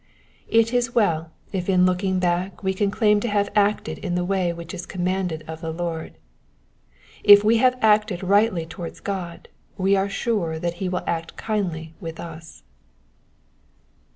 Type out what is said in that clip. It is well if in looking back we can claim to have acted in the way which is commanded of the Lord. If we have acted rightly towards God we are sure that he will act kindly with us.